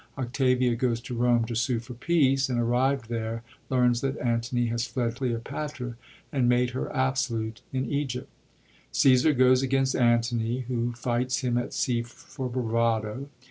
Octavia goes to Rome to sue for peace, and arrived there, learns that Antony has fled to Cleo patra, and made her absolute in Egypt. Caesar goes against Antony, who fights him at sea for bravado.